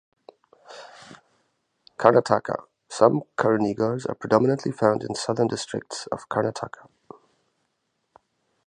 Karnataka: Some Karuneegars are predominantly found in Southern Districts of Karnataka.